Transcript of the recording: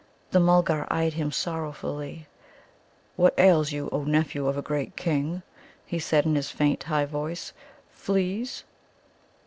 The Mulgar eyed him sorrowfully. "What ails you, O nephew of a great King?" he said in his faint, high voice. "Fleas?"